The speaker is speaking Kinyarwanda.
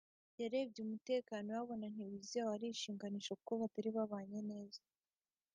yarebye umutekano we abona ntiwizewe arishinganisha kuko batari babanye neza